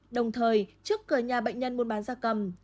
đồng thời trước cửa nhà bệnh nhân buôn bán da cầm